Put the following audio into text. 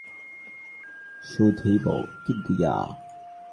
শুধিব কি দিয়া?